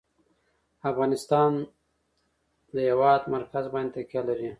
افغانستان په د هېواد مرکز باندې تکیه لري.